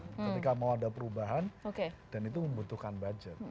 ketika mau ada perubahan dan itu membutuhkan budget